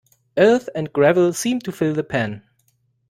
Earth and gravel seemed to fill the pan.